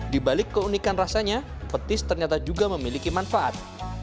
dibalik keunikan rasanya petis ternyata juga memiliki manfaat